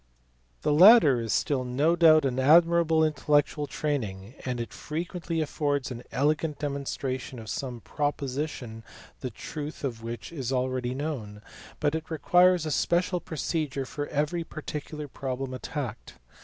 The latter is still no doubt an admirable intellectual training, and it frequently affords an elegant demonstration of some proposition the truth of which is already known, but it requires a special procedure for every particular problem attacked.